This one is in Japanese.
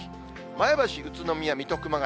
前橋、宇都宮、水戸、熊谷。